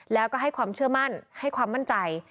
แล้วก็ให้ความเชื่อมั่นให้ความมั่นใจ